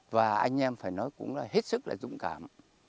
và anh em phải nói cũng là hết sức là dũng cảm